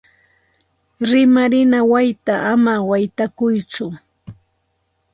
Rimarima wayta ama waytakuytsu.